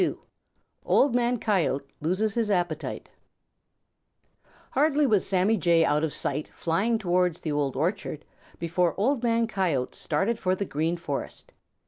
XXII OLD MAN COYOTE LOSES HIS APPETITE Hardly was Sammy Jay out of sight, flying towards the Old Orchard, before Old Man Coyote started for the Green Forest.